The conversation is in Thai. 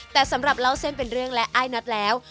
แต่สำหรับเล่าเส้นเป็นเรื่องและอ้ายน็อตแล้ว